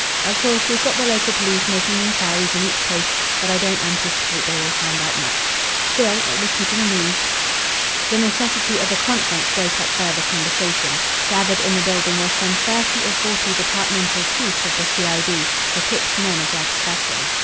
Of course, we've got the local police making inquiries in each case, but I don't anticipate they will find out much. Still, it will keep 'em amused." The necessity of a conference broke up further conversation. Gathered in the building were some thirty or forty departmental chiefs of the C.I.D., the picked men of their profession.